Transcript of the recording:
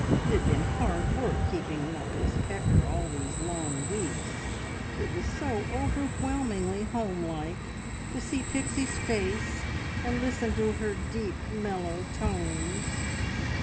It had been hard work keeping up his pecker all these long weeks, it was so overwhelmingly home like to see Pixie's face, and listen to her deep mellow tones...